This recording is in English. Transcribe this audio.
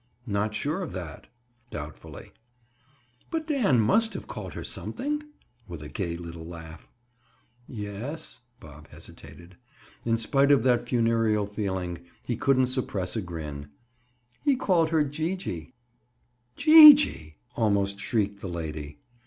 "Not sure of that!" Doubtfully. "But Dan must have called her something?" With a gay little laugh. "Yes." Bob hesitated. In spite of that funereal feeling, he couldn't suppress a grin. "He called her Gee gee." "Gee gee!" almost shrieked the lady.